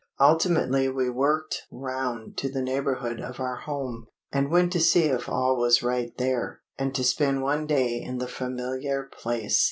Ultimately we worked round to the neighbourhood of our home, and went to see if all was right there, and to spend one day in the familiar place.